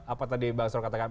apa tadi bang arsul katakan